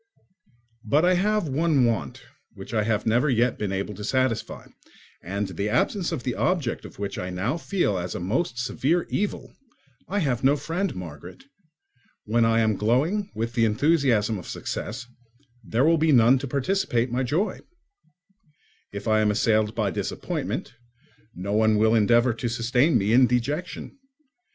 But I have one want which I have never yet been able to satisfy, and the absence of the object of which I now feel as a most severe evil, I have no friend, Margaret: when I am glowing with the enthusiasm of success, there will be none to participate my joy; if I am assailed by disappointment, no one will endeavour to sustain me in dejection.